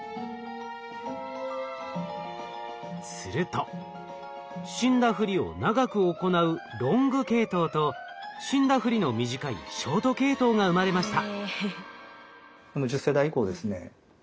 すると死んだふりを長く行うロング系統と死んだふりの短いショート系統が生まれました。